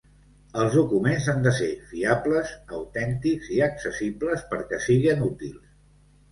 Els documents han de ser fiables, autèntics i accessibles perquè siguen útils.